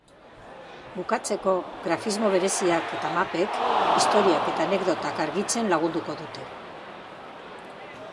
Bukatzeko, grafismo bereziak eta mapek istoriak eta anekdotak argitzen lagunduko dute.